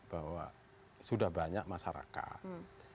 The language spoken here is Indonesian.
bahwa sudah banyak masyarakat